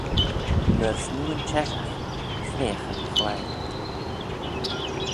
Myr smoo yn cheshaght s'reagh yn chloie